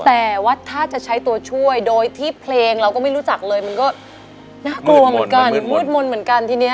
แต่ว่าถ้าจะใช้ตัวช่วยโดยที่เพลงเราก็ไม่รู้จักเลยมันก็น่ากลัวเหมือนกันมืดมนต์เหมือนกันทีนี้